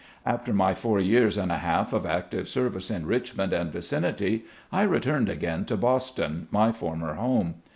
After my four years and a half of active service in Richmond and vicinity, I returned again to Boston, my former home.